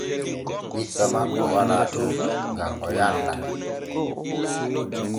Ɓiɗɗo makko walaa ɗon gam o yanɗaa.